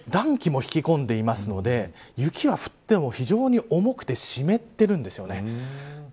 暖気も引き込んでいますので雪は降っても非常に重くて湿っているんですよね。